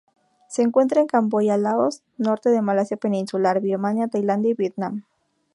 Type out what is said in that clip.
Se encuentra en Camboya, Laos, norte de Malasia Peninsular, Birmania, Tailandia y Vietnam.